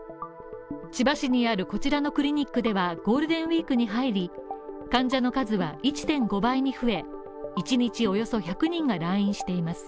千葉市にあるこちらのクリニックではゴールデンウィークに入り患者の数は１．５倍に増え、１日およそ１００人が来院しています